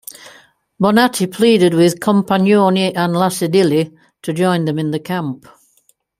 Bonatti pleaded with Compagnoni and Lacedilli to join them in the camp.